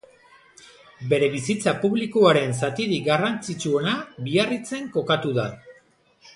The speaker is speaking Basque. Bere bizitza publikoaren zatirik garrantzitsuena Biarritzen kokatu da.